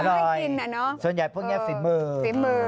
อร่อยส่วนใหญ่พวกนี้สิบหมื่น